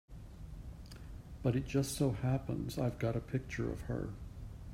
But it just so happens I've got a picture of her.